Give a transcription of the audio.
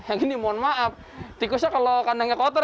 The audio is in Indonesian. yang ini mohon maaf tikusnya kalau kandangnya kotor